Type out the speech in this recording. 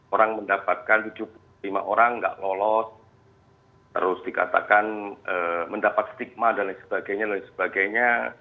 orang mendapatkan tujuh puluh lima orang nggak lolos terus dikatakan mendapat stigma dan lain sebagainya